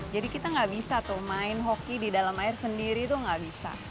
jadi kita gak bisa tuh main hoki di dalam air sendiri tuh gak bisa